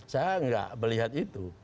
saya enggak melihat itu